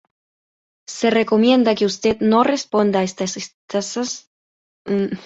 Se recomienda que usted no responda a estas estafas o correos electrónicos de spam.